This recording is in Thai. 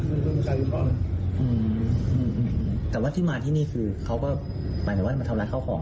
อือหือแต่ว่าที่มาที่นี้คือเขาก็หมายถึงว่ามาทำรักข้าวของ